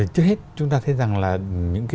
trước hết chúng ta thấy rằng là những cái